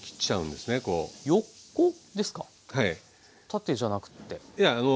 縦じゃなくて。